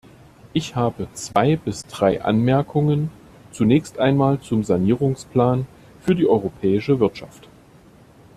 Ich habe zwei bis drei Anmerkungen, zunächst einmal zum Sanierungsplan für die europäische Wirtschaft.